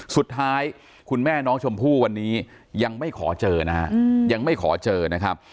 สุดท้ายคุณแม่น้องชมพู่วันนี้ยังไม่ขอเจอนะครับ